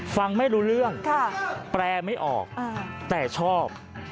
ฟังไม่รู้เรื่องแปลไม่ออกแต่ชอบ